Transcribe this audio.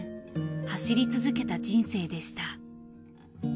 走り続けた人生でした。